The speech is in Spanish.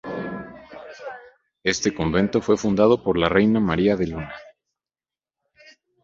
Este convento fue fundado por la reina María de Luna.